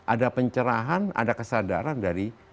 ada pencerahan ada kesadaran dari